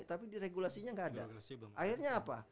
tapi di regulasinya enggak ada akhirnya apa